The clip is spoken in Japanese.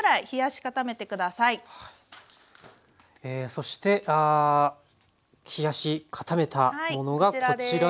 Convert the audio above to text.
そして冷やし固めたものがこちらになります。